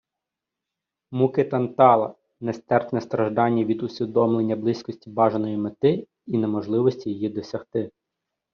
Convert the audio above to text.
Муки Тантала — нестерпне страждання від усвідомлення близькості бажаної мети і неможливості її досягти